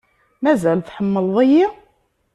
Mazal tḥemmleḍ-iyi?